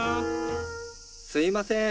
・すいません。